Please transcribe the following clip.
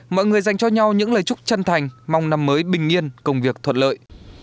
mọi người dành cho nhau những lời chúc chân thành mong năm mới bình yên công việc thuận lợi